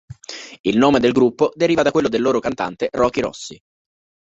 Il nome del gruppo deriva da quello del loro cantante Rocky Rossi.